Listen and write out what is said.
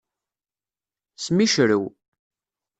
Smicrew.